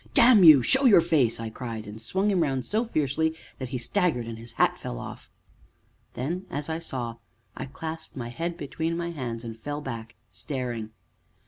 "Damn you! show your face!" I cried, and swung him round so fiercely that he staggered, and his hat fell off. Then, as I saw, I clasped my head between my hands, and fell back staring.